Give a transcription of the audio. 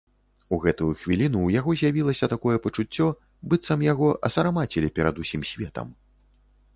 У гэтую хвіліну ў яго з'явілася такое пачуццё, быццам яго асарамацілі перад усім светам.